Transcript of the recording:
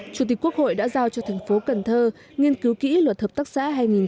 chủ tịch quốc hội đã giao cho thành phố cần thơ nghiên cứu kỹ luật hợp tác xã hai nghìn một mươi bốn